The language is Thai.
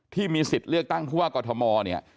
ที่มีสิทธิ์เลือกตั้งผู้ว่ากอทมเนี่ย